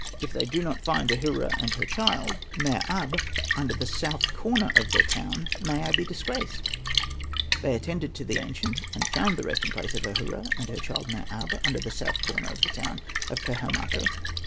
If they do not find Ahura and her child Hosted by Google ii8 SETNA AND THE MAGIC BOOK Mer ab under the south corner of their town may I be disgraced." They attended to the ancient, and found the resting place of Ahura and her child Mer ab under the south corner of the town of Pehemato.